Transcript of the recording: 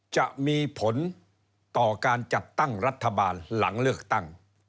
จะมีผลต่อการจัดตั้งรัฐบาลหลังเลือกตั้ง